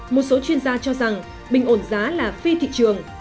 một số chuyên gia cho rằng bình ổn giá là phi thị trường